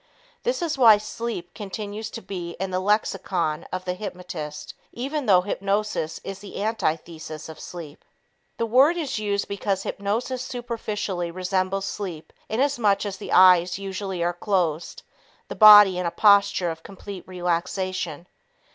This is why "sleep" continues to be in the lexicon of the hypnotist even though hypnosis is the antithesis of sleep. The word is used because hypnosis superficially resembles sleep inasmuch as the eyes usually are closed, the body in a posture of complete relaxation.